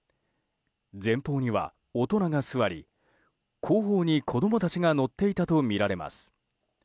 前方には大人が座り後方に子供たちが乗っていたとみられます。